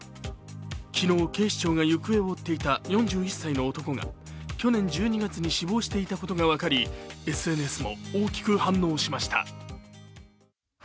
昨日、警視庁が行方を追っていた４１歳の男が去年１２月に死亡していたことが分かり、ＳＮＳも大きく反応しました。